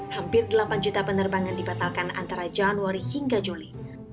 hampir delapan juta penerbangan dibatalkan antara januari hingga juli